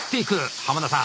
濱田さん